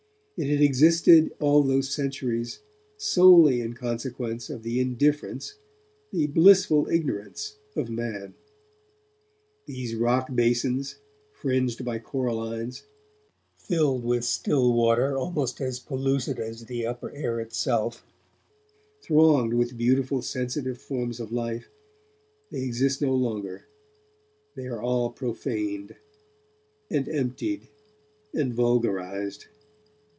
It had existed all those centuries solely in consequence of the indifference, the blissful ignorance of man. These rockbasins, fringed by corallines, filled with still water almost as pellucid as the upper air itself, thronged with beautiful sensitive forms of life, they exist no longer, they are all profaned, and emptied, and vulgarized.